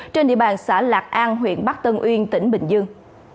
trên địa bàn xã lạc an huyện bắc tân uyên tỉnh bình dương